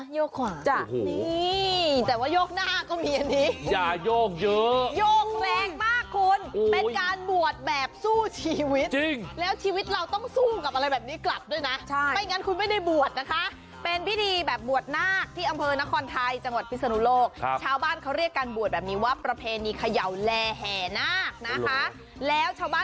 โยกซ้ายโยกขวา